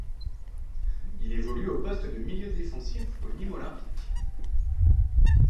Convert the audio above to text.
Il évolue au poste de milieu défensif au Nîmes Olympique.